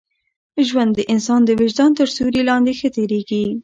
ژوند د انسان د وجدان تر سیوري لاندي ښه تېرېږي.